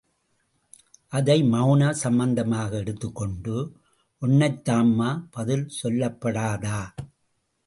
அதை மெளனச் சம்மதமாக எடுத்துக்கொண்டு, ஒன்னைத்தாம்மா... பதில் சொல்லப்படாதா?